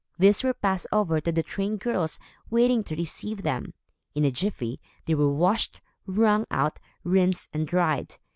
These were passed over to the trained girls waiting to receive them. In a jiffy, they were washed, wrung out, rinsed and dried.